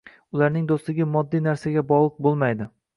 Ularning do‘stligi moddiy narsalarga bog‘liq bo‘lmaydi.